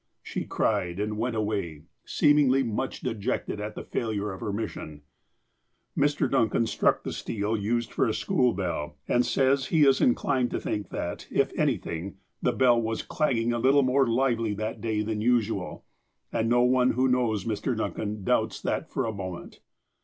She cried, and went away seemingly much dejected at the failure of her mission. Mr. Duncan struck the steel used for a school bell, and says he is inclined to think that, if anything, the bell was clanging a little more lively that day than usual. And no one who knows Mr. Duncan doubts that for a moment.